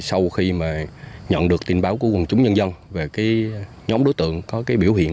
sau khi mà nhận được tin báo của quần chúng nhân dân về cái nhóm đối tượng có cái biểu hiện